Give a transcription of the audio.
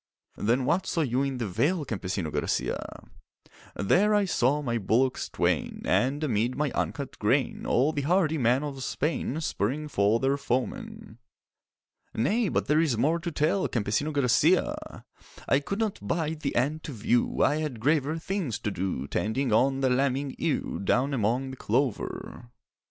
'Then what saw you in the vale, Campesino Garcia?' 'There I saw my bullocks twain, And amid my uncut grain All the hardy men of Spain Spurring for their foemen.' 'Nay, but there is more to tell, Campesino Garcia!' 'I could not bide the end to view; I had graver things to do Tending on the lambing ewe Down among the clover.